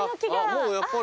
もうやっぱり。